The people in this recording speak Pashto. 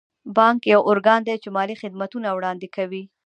بانک یو ارګان دی چې مالي خدمتونه وړاندې کوي.